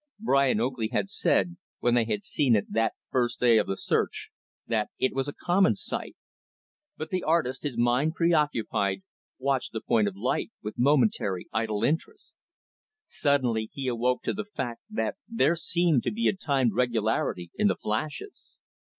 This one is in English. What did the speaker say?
Brian Oakley had said, when they had seen it that first day of the search, that it was a common sight; but the artist, his mind preoccupied, watched the point of light with momentary, idle interest. Suddenly, he awoke to the fact that there seemed to be a timed regularity in the flashes.